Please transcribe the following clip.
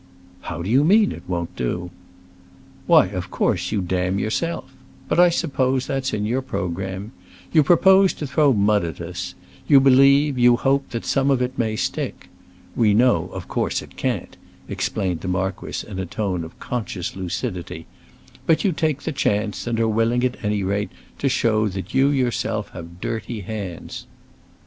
"How do you mean it won't do?" "Why, of course you damn yourself. But I suppose that's in your programme. You propose to throw mud at us; you believe, you hope, that some of it may stick. We know, of course, it can't," explained the marquis in a tone of conscious lucidity; "but you take the chance, and are willing at any rate to show that you yourself have dirty hands."